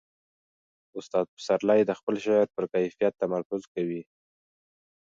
استاد پسرلی د خپل شعر پر کیفیت تمرکز کوي.